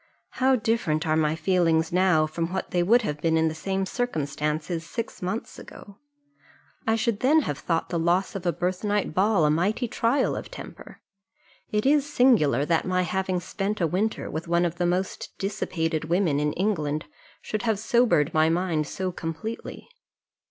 How different are my feelings now from what they would have been in the same circumstances six months ago! I should then have thought the loss of a birthnight ball a mighty trial of temper. It is singular, that my having spent a winter with one of the most dissipated women in England should have sobered my mind so completely.